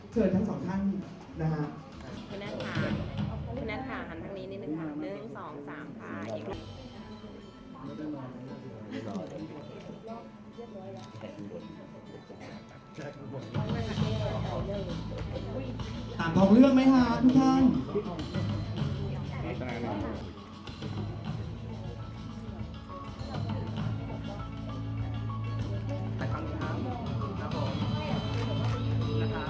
เชิญทั้งสองท่านนะฮะคุณนัทค่ะคุณนัทค่ะหันทางนี้นิดหนึ่งค่ะ